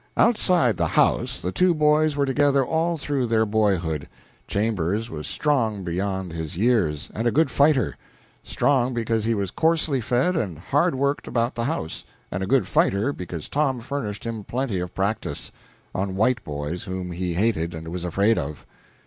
Outside of the house the two boys were together all through their boyhood. Chambers was strong beyond his years, and a good fighter; strong because he was coarsely fed and hard worked about the house, and a good fighter because Tom furnished him plenty of practice on white boys whom he hated and was afraid of.